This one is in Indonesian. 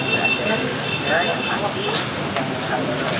ini bukan perusahaan